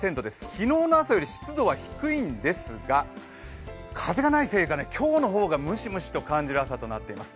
昨日の朝より湿度は低いんですが、風がないせいか、今日の方がムシムシと感じる朝になっています